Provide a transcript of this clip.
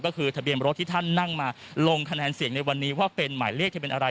ก็คือทะเบียนรถที่ท่านนั่งมาลงคะแนนเสียงในวันนี้ว่าเป็นหมายเลขทะเบียนอะไร